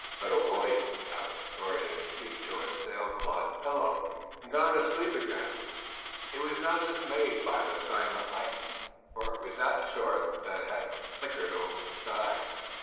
Little William would have restored his cheek to its sail cloth pillow and gone to sleep again. He was not dismayed by the silent lightning, for it was that sort that had flickered over the sky.